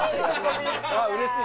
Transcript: うれしい！